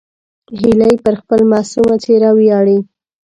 هیلۍ پر خپل معصوم څېره ویاړي